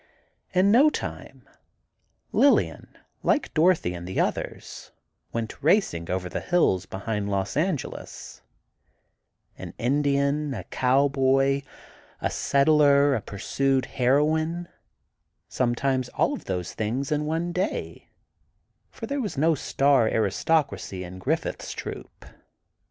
In no time, Lillian, like Dorothy and the others, went racing over the hills behind Los Angeles—an Indian, a cowboy, a settler, a pursued heroine—sometimes all of those things in one day; for there was no star aristocracy in Griffith's troupe.